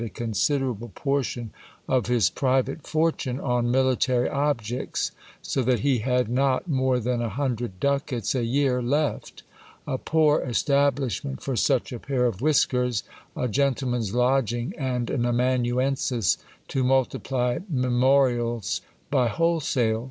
257 a considerable portion of his private fortune on military objects, so that he had not more than a hundred ducats a year left ; a poor establishment for such a pair of whiskers, a gentleman's lodging, and an amanuensis to multiply memo rials by wholesale.